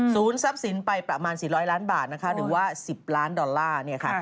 ศูนย์ทรัพย์ศิลป์ไปประมาณ๔๐๐ล้านบาทหรือว่า๑๐ล้านดอลลาร์